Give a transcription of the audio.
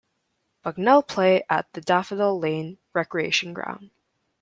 Bucknell play at the Daffodil Lane Recreation Ground.